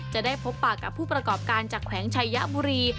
จะได้พบปากกับผู้ประกอบการจากแขวงชัยบุรี